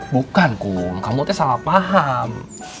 betul kamu salah paham